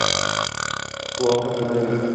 Bu og’riq bo’ladimi